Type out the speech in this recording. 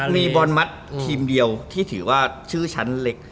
มีบอลมัดทีมเดียวที่ถือว่าชื่อชั้นเล็ก